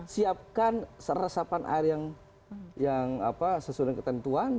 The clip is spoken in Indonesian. siapkan resapan air yang sesuai dengan ketentuan